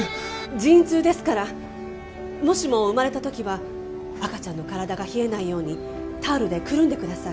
陣痛ですからもしも生まれた時は赤ちゃんの体が冷えないようにタオルでくるんでください